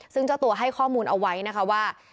ซึ่งเจ้าตัวให้ข้อมูลเอาไว้นะคะว่า